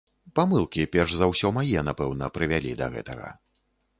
Памылкі, перш за ўсё мае, напэўна, прывялі да гэтага.